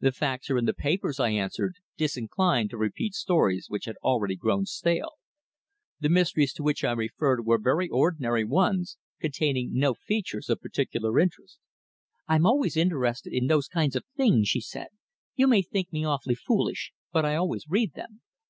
"The facts are in the papers," I answered, disinclined to repeat stories which had already grown stale. "The mysteries to which I referred were very ordinary ones, containing no features of particular interest." "I'm always interested in those kind of things," she said. "You may think me awfully foolish, but I always read them.